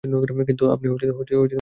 কিন্তু আপনিও একজন মুসলিম।